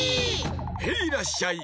ヘイらっしゃい！